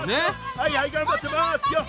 はいはいがんばってますよ！